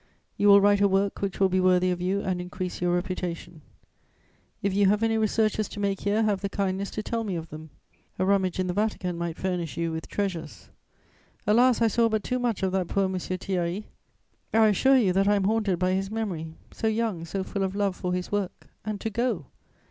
You will write a work which will be worthy of you and increase your reputation. If you have any researches to make here, have the kindness to tell me of them: a rummage in the Vatican might furnish you with treasures. Alas, I saw but too much of that poor M. Thierry! I assure you that I am haunted by his memory: so young, so full of love for his work, and to go!